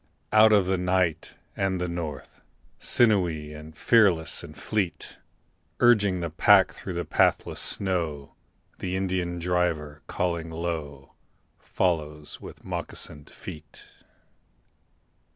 Out of the night and the north, Sinewy, fearless and fleet, Urging the pack through the pathless snow, The Indian driver, calling low, Follows with moccasined feet.